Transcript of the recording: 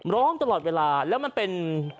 ร้องตลอดเวลาแล้วมันเป็น